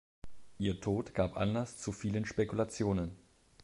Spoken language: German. Ihr Tod gab Anlass zu vielen Spekulationen.